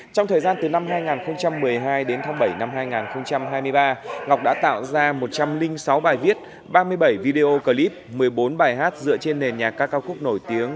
trong thời gian từ năm hai nghìn một mươi hai đến tháng bảy năm hai nghìn hai mươi ba ngọc đã tạo ra một trăm linh sáu bài viết ba mươi bảy video clip một mươi bốn bài hát dựa trên nền nhạc các cao khúc nổi tiếng